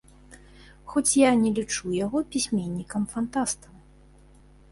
Хоць я не лічу яго пісьменнікам-фантастам.